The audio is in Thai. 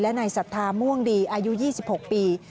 และไหนสัตว์ทาม่วงดีอายุ๒๖ปี